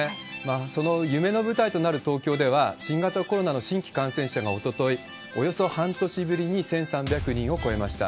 その夢の舞台となる東京では、新型コロナの新規感染者がおととい、およそ半年ぶりに１３００人を超えました。